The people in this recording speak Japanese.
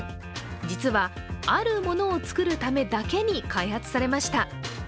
実は、あるものを作るためだけに開発されました。